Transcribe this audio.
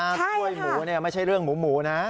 ใช่ค่ะน้ำช่วยหมูเนี้ยไม่ใช่เรื่องหมูนะ